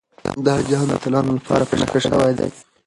دا جام د اتلانو لپاره په نښه شوی دی.